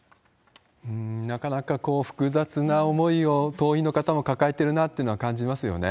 なかなか複雑な思いを、党員の方も抱えてるなっていうのは感じますよね。